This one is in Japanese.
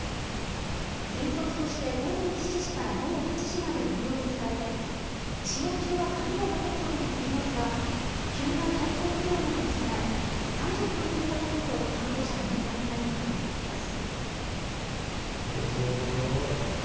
原則として午前７時から午後８時まで無料で使えて、使用中は鍵をかけることができますが、急な体調不良などに備え、３０分経過すると、担当者に連絡がいくということです。